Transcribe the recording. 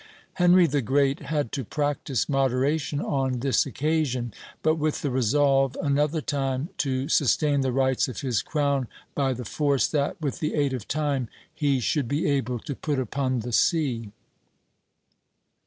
Henry the Great had to practise moderation on this occasion; but with the resolve another time to sustain the rights of his crown by the force that, with the aid of time, he should be able to put upon the sea."